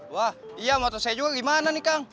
wah iya motor saya juga gimana nih kang